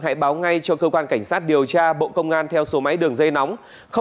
hãy báo ngay cho cơ quan cảnh sát điều tra bộ công an theo số máy đường dây nóng